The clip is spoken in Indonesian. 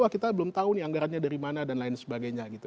kita belum tahu nih anggarannya dari mana dan lain sebagainya gitu